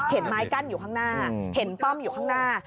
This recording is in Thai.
ไม้กั้นอยู่ข้างหน้าเห็นป้อมอยู่ข้างหน้า